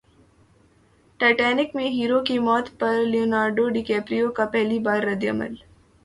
Titanic میں hero کی موت پر لیونارڈو ڈی کیپریو کا پہلی بار ردعمل